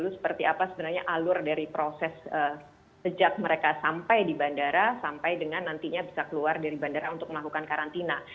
seperti apa sebenarnya alur dari proses sejak mereka sampai di bandara sampai dengan nantinya bisa keluar dari bandara untuk melakukan karantina